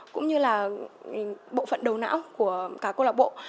cũng như là bộ phận đầu não của cả cô lạc bộ